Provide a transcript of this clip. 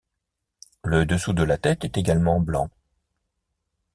Le dessous de la tête est également blanc.